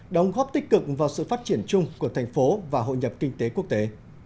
đóng góp tích cực vào sự phát triển chung của thành phố và hội nhập kinh tế quốc tế